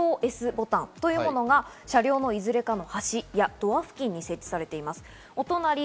ＳＯＳボタンというものが車両のいずれかの端やドア付近に設置されています。